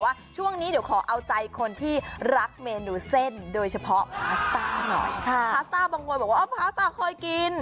ว่าช่วงนี้เดี๋ยวขอเอาใจคนที่รักเมนูเส้นโดยเฉพาะหน่อยค่ะบางคนบอกว่าคอยกิน